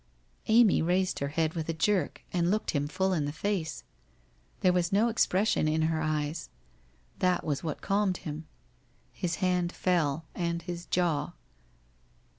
Amy raised her head with a jerk and looked him full in the face. There was no expression in her eyes. That was what calmed him. His hand fell, and his jaw.